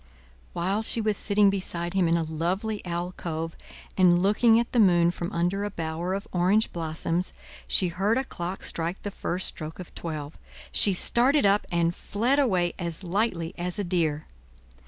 While she was sitting beside him in a lovely alcove, and looking at the moon from under a bower of orange blossoms, she heard a clock strike the first stroke of twelve. She started up, and fled away as lightly as a deer.